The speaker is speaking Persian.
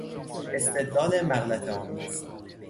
استدلال مغلطهآمیز